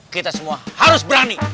kita semua harus berani